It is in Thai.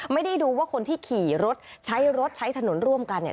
ไม่ได้ดูว่าคนที่ขี่รถใช้รถใช้ถนนร่วมกันเนี่ย